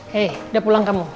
hei udah pulang kamu